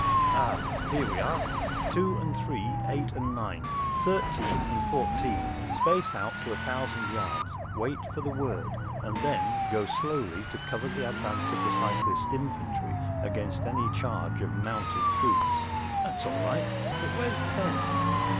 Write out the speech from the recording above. “Ah, here we are ! Two and Three, Eight and Nine, Thirteen and Fourteen, space out to a thousand yards, wait for the word, and then go slowly to cover the advance of the cyclist infantry against any charge of mounted troops. That’s all right. But where’s Ten